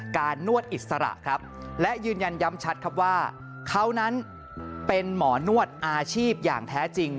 นวดอิสระครับและยืนยันย้ำชัดครับว่าเขานั้นเป็นหมอนวดอาชีพอย่างแท้จริง